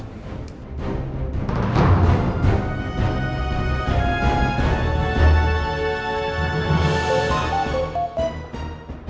kok gak diangkat sih